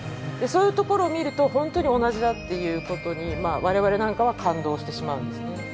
そういうところを見ると本当に同じだっていうことに我々なんかは感動してしまうんですね。